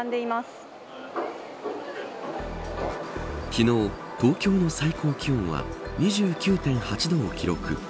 昨日、東京の最高気温は２９．８度を記録。